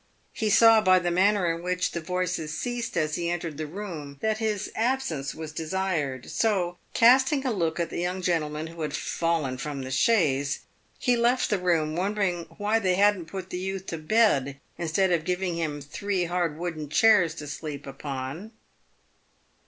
He saw by the manner in which the voices ceased as he entered the room that his absence was desired, so, casting a look at the young gentleman who had "fallen from the chaise," he left the room, wondering why they hadn't put the youth to bed instead of giving him three hard wooden chairs to sleep upon.